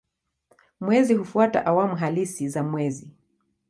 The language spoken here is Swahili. Mwezi hufuata awamu halisi za mwezi.